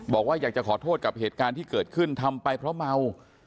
บอกว่าอยากจะขอโทษกับเหตุการณ์ที่เกิดขึ้นทำไปเพราะเมา